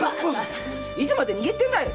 いつまで握ってるんだい！